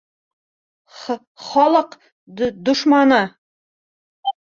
Х-халыҡ д-дошманы!